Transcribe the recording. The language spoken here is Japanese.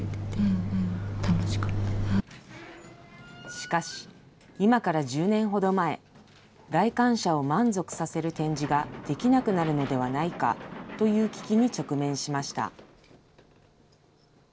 しかし、今から１０年ほど前、来館者を満足させる展示ができなくなるのではないかという危機に直面しました。